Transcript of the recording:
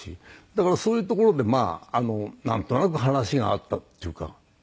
だからそういうところでまあなんとなく話が合ったっていうか。